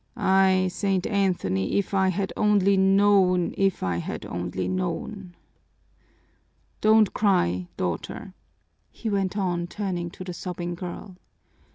Ay, St. Anthony, if I had only known, if I had only known! Don't cry, daughter," he went on, turning to the sobbing girl.